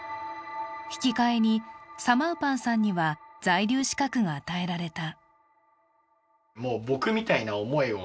引き換えにサマウパンさんには在留資格が与えられた。